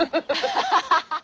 アハハハハ！